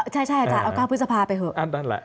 ใช่อาจารย์เอา๙พฤษภาไปเถอะ